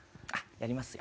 やりますよ。